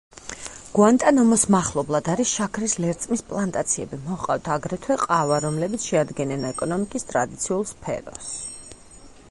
გუანტანამოს მახლობლად არის შაქრის ლერწმის პლანტაციები, მოჰყავთ აგრეთვე ყავა, რომლებიც შეადგენენ ეკონომიკის ტრადიციულ სფეროს.